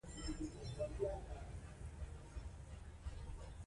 افغانستان کې د لعل د پرمختګ هڅې روانې دي.